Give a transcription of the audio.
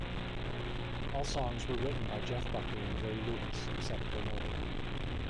All songs were written by Jeff Buckley and Gary Lucas, except where noted.